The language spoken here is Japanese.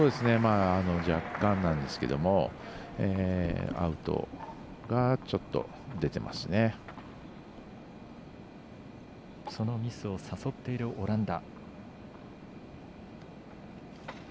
若干なんですけどアウトがそのミスを誘っているオランダ。